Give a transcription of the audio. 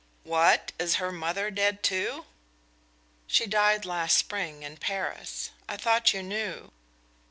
"What? Is her mother dead too?" "She died last spring, in Paris. I thought you knew."